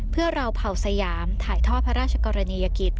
เพื่อเราเผ่าสยามถ่ายทอดพระราชกรณียกิจ